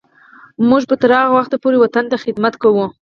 موږ به تر هغه وخته پورې وطن ته خدمت کوو.